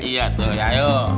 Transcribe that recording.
iya tuh ya yuk